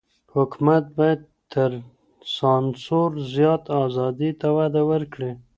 حکومت بايد تر سانسور زيات ازادۍ ته وده ورکړي.